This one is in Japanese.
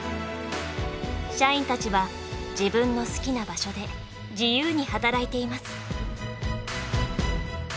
社員たちは自分の好きな場所で自由に働いています。